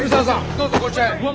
どうぞこちらへ。